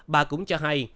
bà cũng cho hay